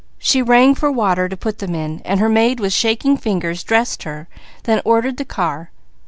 She rang for water to put them in, while her maid with shaking fingers dressed her, then ordered the car.